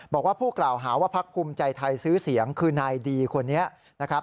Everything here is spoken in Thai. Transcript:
บอกว่าผู้กล่าวหาว่าพักภูมิใจไทยซื้อเสียงคือนายดีคนนี้นะครับ